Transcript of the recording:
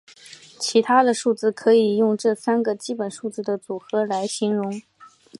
其他的数字可以用这三个基本数字的组合来形容。